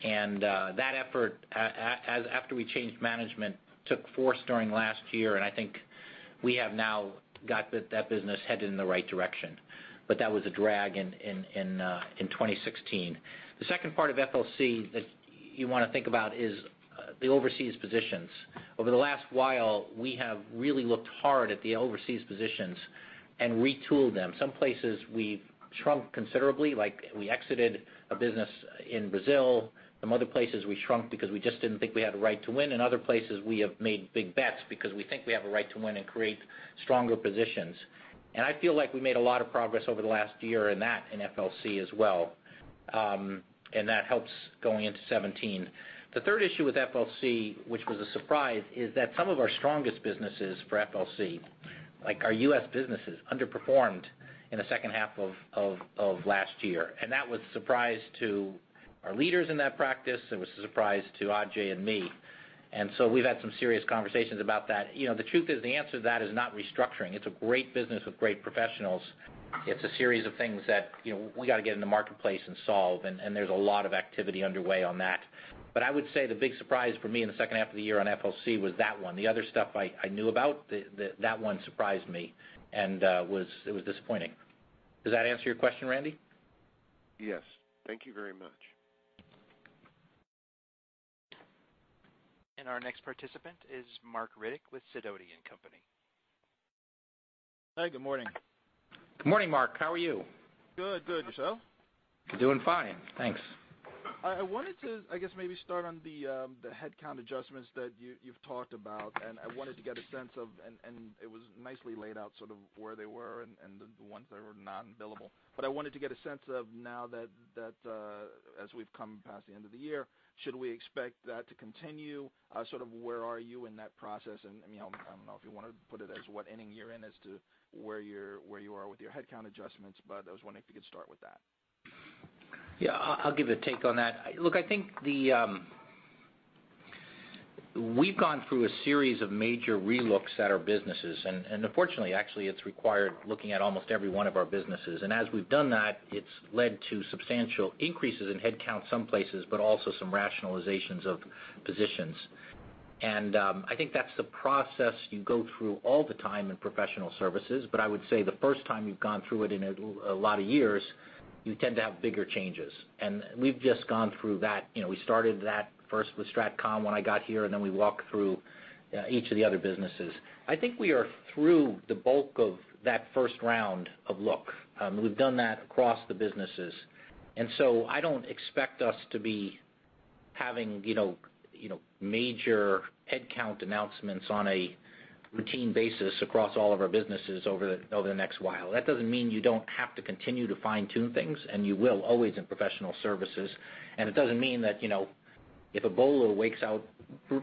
That effort, after we changed management, took force during last year, and I think we have now got that business headed in the right direction. That was a drag in 2016. The second part of FLC you want to think about is the overseas positions. Over the last while, we have really looked hard at the overseas positions and retooled them. Some places we've shrunk considerably, like we exited a business in Brazil. Some other places we shrunk because we just didn't think we had a right to win. In other places, we have made big bets because we think we have a right to win and create stronger positions. I feel like we made a lot of progress over the last year in that in FLC as well, and that helps going into 2017. The third issue with FLC, which was a surprise, is that some of our strongest businesses for FLC, like our U.S. businesses, underperformed in the second half of last year. That was a surprise to our leaders in that practice. It was a surprise to Ajay and me, so we've had some serious conversations about that. The truth is, the answer to that is not restructuring. It's a great business with great professionals. It's a series of things that we got to get in the marketplace and solve, and there's a lot of activity underway on that. I would say the big surprise for me in the second half of the year on FLC was that one. The other stuff I knew about. That one surprised me, and it was disappointing. Does that answer your question, Randy? Yes. Thank you very much. Our next participant is Marc Riddick with Sidoti & Company. Hi, good morning. Good morning, Marc. How are you? Good. Yourself? Doing fine, thanks. I wanted to, I guess, maybe start on the headcount adjustments that you've talked about. I wanted to get a sense of, and it was nicely laid out sort of where they were and the ones that were non-billable. I wanted to get a sense of now that as we've come past the end of the year, should we expect that to continue? Sort of where are you in that process? I don't know if you want to put it as what inning you're in as to where you are with your headcount adjustments, but I was wondering if you could start with that. Yeah, I'll give a take on that. Look, I think we've gone through a series of major relooks at our businesses. Unfortunately, actually, it's required looking at almost every one of our businesses. As we've done that, it's led to substantial increases in headcount some places, but also some rationalizations of positions. I think that's the process you go through all the time in professional services. I would say the first time you've gone through it in a lot of years, you tend to have bigger changes. We've just gone through that. We started that first with Strategic Communications when I got here. Then we walked through each of the other businesses. I think we are through the bulk of that first round of look. We've done that across the businesses. I don't expect us to be having major headcount announcements on a routine basis across all of our businesses over the next while. That doesn't mean you don't have to continue to fine-tune things. You will always in professional services. It doesn't mean that if Ebola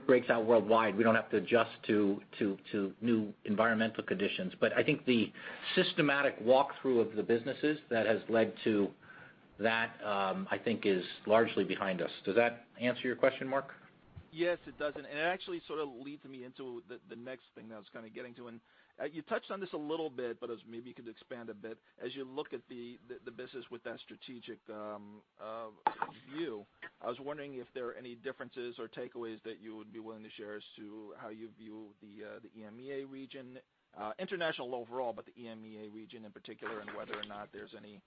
breaks out worldwide, we don't have to adjust to new environmental conditions. I think the systematic walkthrough of the businesses that has led to that, I think is largely behind us. Does that answer your question, Marc? Yes, it does. It actually sort of leads me into the next thing that I was kind of getting to. You touched on this a little bit, but maybe you could expand a bit. As you look at the business with that strategic view, I was wondering if there are any differences or takeaways that you would be willing to share as to how you view the EMEA region, international overall, but the EMEA region in particular, and whether or not there's any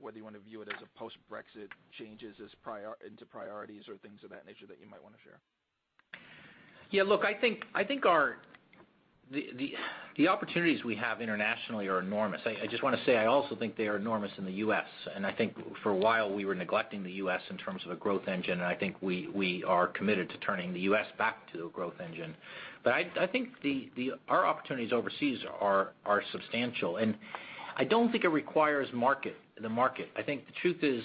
whether you want to view it as a post-Brexit changes into priorities or things of that nature that you might want to share. Look, I think the opportunities we have internationally are enormous. I just want to say, I also think they are enormous in the U.S. I think for a while we were neglecting the U.S. in terms of a growth engine. I think we are committed to turning the U.S. back to a growth engine. I think our opportunities overseas are substantial. I don't think it requires the market. I think the truth is,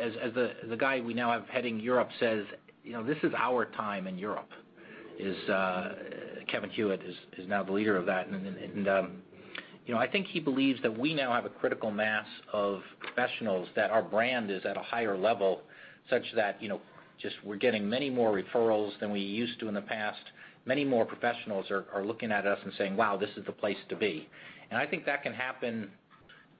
as the guy we now have heading Europe says, "This is our time in Europe." Kevin Hewitt is now the leader of that. I think he believes that we now have a critical mass of professionals, that our brand is at a higher level such that just we're getting many more referrals than we used to in the past. Many more professionals are looking at us and saying, "Wow, this is the place to be." I think that can happen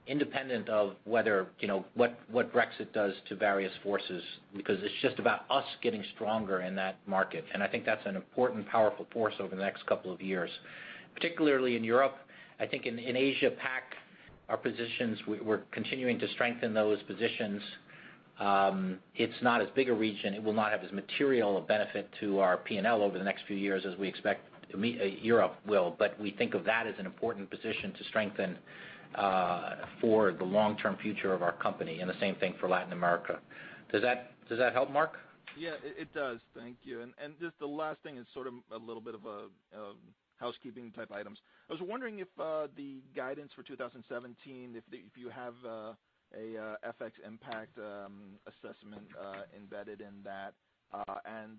independent of what Brexit does to various forces, because it's just about us getting stronger in that market. I think that's an important, powerful force over the next couple of years, particularly in Europe. I think in Asia Pac, our positions, we're continuing to strengthen those positions. It's not as big a region. It will not have as material a benefit to our P&L over the next few years as we expect Europe will. We think of that as an important position to strengthen for the long-term future of our company, and the same thing for Latin America. Does that help, Marc? It does. Thank you. Just the last thing is sort of a little bit of a housekeeping type item. I was wondering if the guidance for 2017, if you have a FX impact assessment embedded in that.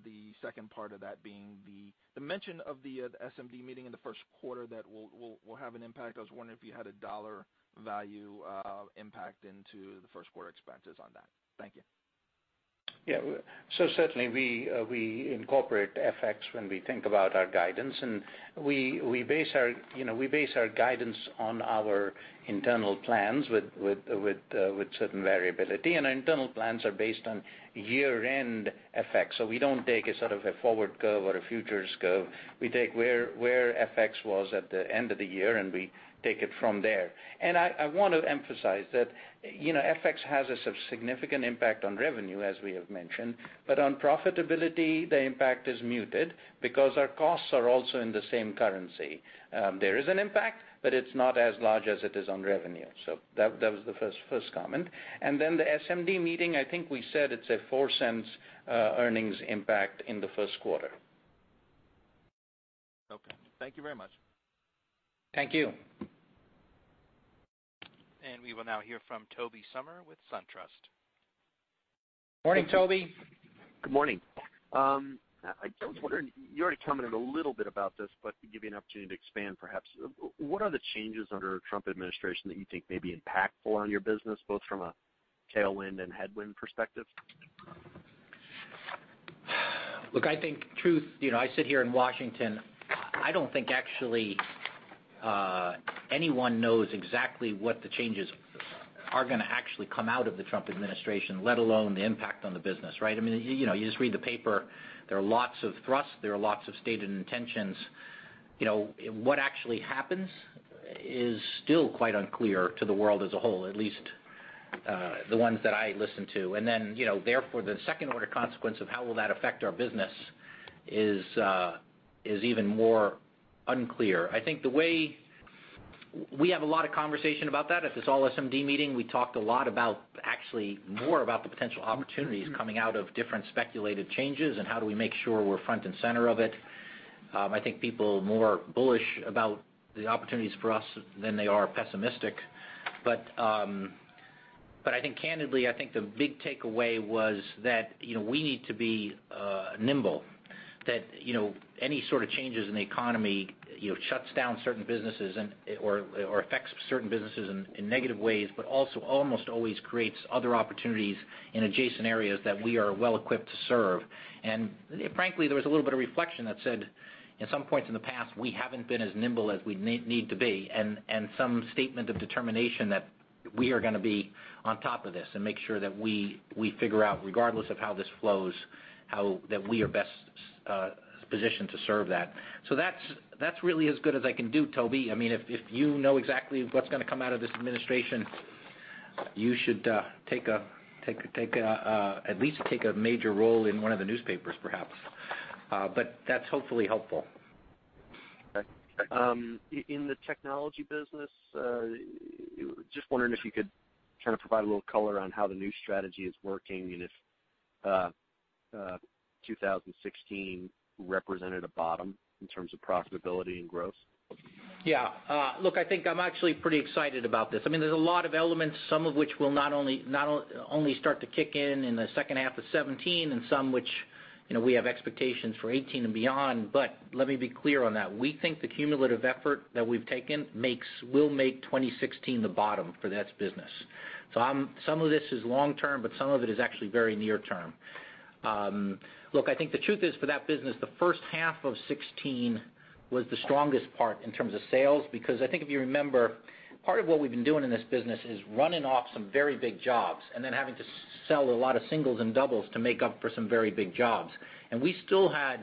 The second part of that being the mention of the SMD meeting in the first quarter that will have an impact. I was wondering if you had a dollar value impact into the first quarter expenses on that. Thank you. Certainly we incorporate FX when we think about our guidance, and we base our guidance on our internal plans with certain variability. Our internal plans are based on year-end FX. We don't take a sort of a forward curve or a futures curve. We take where FX was at the end of the year, and we take it from there. I want to emphasize that FX has a significant impact on revenue, as we have mentioned. On profitability, the impact is muted because our costs are also in the same currency. There is an impact, but it's not as large as it is on revenue. That was the first comment. Then the SMD meeting, I think we said it's a $0.04 earnings impact in the first quarter. Okay. Thank you very much. Thank you. We will now hear from Tobey Sommer with SunTrust. Morning, Tobey. Good morning. I was wondering, you already commented a little bit about this, but to give you an opportunity to expand perhaps, what are the changes under Trump administration that you think may be impactful on your business, both from a tailwind and headwind perspective? Look, I think truth, I sit here in Washington. I don't think actually anyone knows exactly what the changes are going to actually come out of the Trump administration, let alone the impact on the business, right? You just read the paper. There are lots of thrusts, there are lots of stated intentions. What actually happens is still quite unclear to the world as a whole, at least the ones that I listen to. Then therefore, the second-order consequence of how will that affect our business is even more unclear. We have a lot of conversation about that. At this all SMD meeting, we talked a lot about actually more about the potential opportunities coming out of different speculated changes and how do we make sure we're front and center of it. I think people are more bullish about the opportunities for us than they are pessimistic. I think candidly, I think the big takeaway was that we need to be nimble. Any sort of changes in the economy shuts down certain businesses or affects certain businesses in negative ways, but also almost always creates other opportunities in adjacent areas that we are well equipped to serve. Frankly, there was a little bit of reflection that said, at some points in the past, we haven't been as nimble as we need to be, and some statement of determination that we are going to be on top of this and make sure that we figure out, regardless of how this flows, how that we are best positioned to serve that. That's really as good as I can do, Tobey. If you know exactly what's going to come out of this administration, you should at least take a major role in one of the newspapers, perhaps. That's hopefully helpful. Okay. In the Technology business, just wondering if you could kind of provide a little color on how the new strategy is working, and if 2016 represented a bottom in terms of profitability and growth. Yeah. Look, I think I'm actually pretty excited about this. There's a lot of elements, some of which will not only start to kick in in the second half of 2017, and some which we have expectations for 2018 and beyond. Let me be clear on that. We think the cumulative effort that we've taken will make 2016 the bottom for that business. Some of this is long-term, but some of it is actually very near-term. Look, I think the truth is for that business, the first half of 2016 was the strongest part in terms of sales, because I think if you remember, part of what we've been doing in this business is running off some very big jobs and then having to sell a lot of singles and doubles to make up for some very big jobs. We still had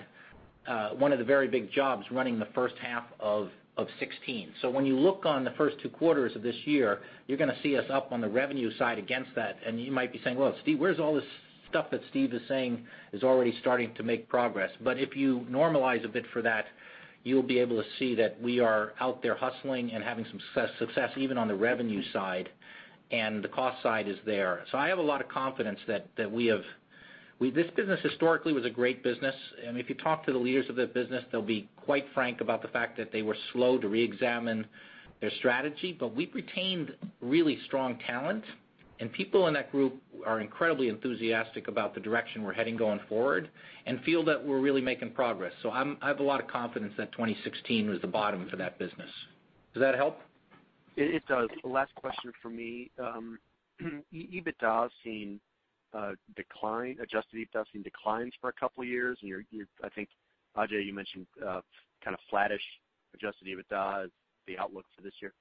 one of the very big jobs running the first half of 2016. When you look on the first two quarters of this year, you're going to see us up on the revenue side against that, and you might be saying, "Well, where's all this stuff that Steve is saying is already starting to make progress?" If you normalize a bit for that, you'll be able to see that we are out there hustling and having some success even on the revenue side, and the cost side is there. I have a lot of confidence. This business historically was a great business, and if you talk to the leaders of the business, they'll be quite frank about the fact that they were slow to reexamine their strategy. We've retained really strong talent, and people in that group are incredibly enthusiastic about the direction we're heading going forward and feel that we're really making progress. I have a lot of confidence that 2016 was the bottom for that business. Does that help? It does. Last question from me. EBITDA has seen a decline, adjusted EBITDA has seen declines for a couple of years, I think, Ajay, you mentioned kind of flattish adjusted EBITDA as the outlook for this year.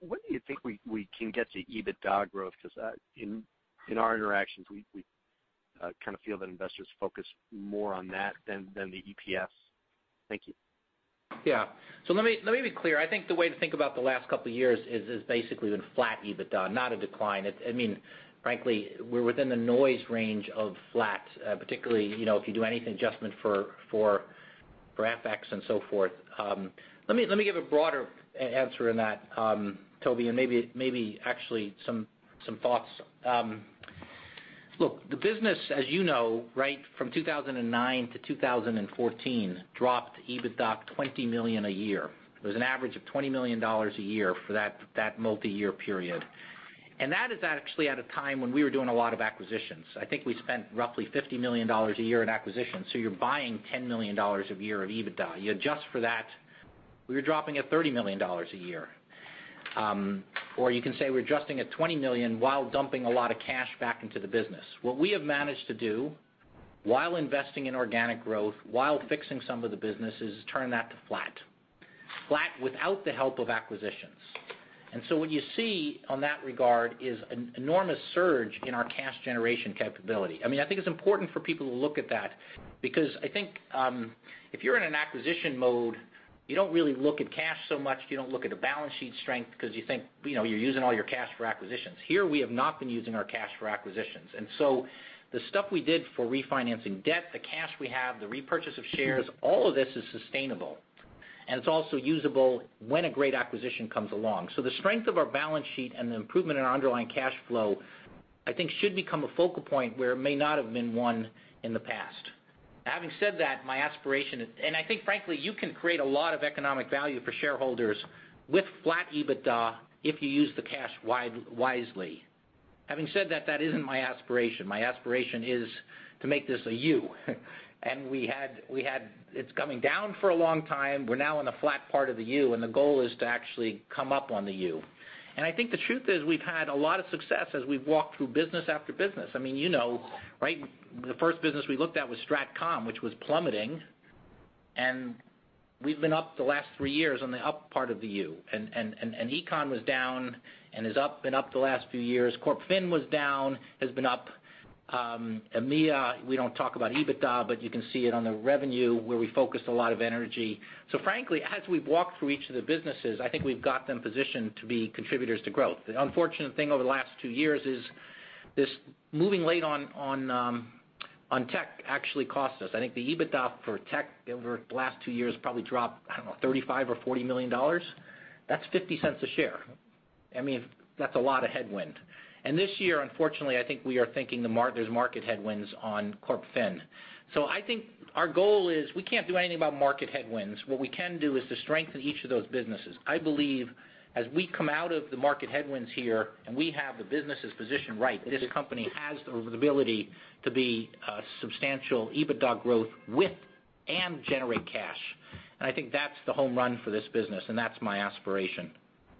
What do you think we can get to EBITDA growth? Because in our interactions, we kind of feel that investors focus more on that than the EPS. Thank you. Yeah. Let me be clear. I think the way to think about the last couple of years is basically been flat EBITDA, not a decline. Frankly, we're within the noise range of flat, particularly if you do anything adjustment for FX and so forth. Let me give a broader answer in that, Tobey, and maybe actually some thoughts. Look, the business, as you know, right? From 2009 to 2014 dropped EBITDA $20 million a year. It was an average of $20 million a year for that multi-year period. That is actually at a time when we were doing a lot of acquisitions. I think we spent roughly $50 million a year in acquisitions. You're buying $10 million a year of EBITDA. You adjust for that, we were dropping at $30 million a year. You can say we're adjusting at $20 million while dumping a lot of cash back into the business. What we have managed to do while investing in organic growth, while fixing some of the businesses, is turn that to flat. Flat without the help of acquisitions. What you see on that regard is an enormous surge in our cash generation capability. I think it's important for people to look at that because I think if you're in an acquisition mode, you don't really look at cash so much, you don't look at a balance sheet strength because you think you're using all your cash for acquisitions. Here we have not been using our cash for acquisitions. The stuff we did for refinancing debt, the cash we have, the repurchase of shares, all of this is sustainable, and it is also usable when a great acquisition comes along. The strength of our balance sheet and the improvement in our underlying cash flow, I think should become a focal point where it may not have been one in the past. Having said that, my aspiration is, and I think frankly, you can create a lot of economic value for shareholders with flat EBITDA if you use the cash wisely. Having said that is not my aspiration. My aspiration is to make this a U. It is coming down for a long time. We are now in the flat part of the U, and the goal is to actually come up on the U. I think the truth is, we have had a lot of success as we have walked through business after business. You know, the first business we looked at was Strategic Communications, which was plummeting, and we have been up the last three years on the up part of the U. Econ was down and is up the last few years. Corp Fin was down, has been up. EMEA, we do not talk about EBITDA, but you can see it on the revenue where we focused a lot of energy. Frankly, as we have walked through each of the businesses, I think we have got them positioned to be contributors to growth. The unfortunate thing over the last two years is this moving late on tech actually cost us. I think the EBITDA for tech over the last two years probably dropped, I do not know, $35 or $40 million. That is $0.50 a share. That is a lot of headwind. This year, unfortunately, I think we are thinking there is market headwinds on Corp Fin. I think our goal is we cannot do anything about market headwinds. What we can do is to strengthen each of those businesses. I believe as we come out of the market headwinds here, and we have the businesses positioned right, this company has the ability to be a substantial EBITDA growth with and generate cash. I think that is the home run for this business, and that is my aspiration.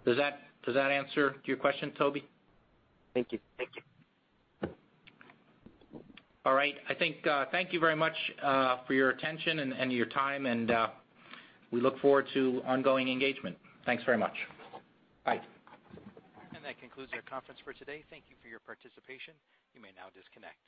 Does that answer your question, Tobey? Thank you. All right. Thank you very much for your attention and your time. We look forward to ongoing engagement. Thanks very much. Bye. That concludes our conference for today. Thank you for your participation. You may now disconnect.